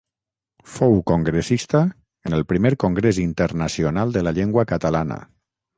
Fou congressista en el Primer Congrés Internacional de la Llengua Catalana.